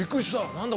何だ？